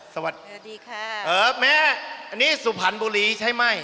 สวัสดีค่ะแม่อันนี้สุภัณฑ์บุรีใช่ไหม